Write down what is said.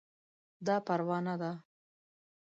دا پروانه ده